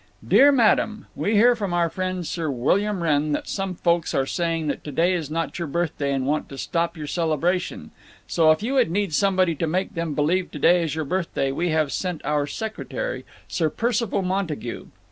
DEAR MADAM,—We hear from our friend Sir William Wrenn that some folks are saying that to day is not your birthday & want to stop your celebration, so if you should need somebody to make them believe to day is your birthday we have sent our secretary, Sir Percival Montague.